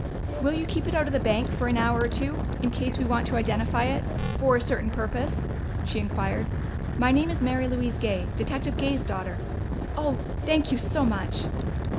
"Will you keep it out of the bank for an hour or two in case we want to identify it for a certain purpose?" she inquired. "My name is Mary Louise Gay Detective Gay's daughter.... Oh, thank you so much!"